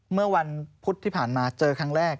เมื่อวันพุธที่ผ่านมาเจอครั้งแรก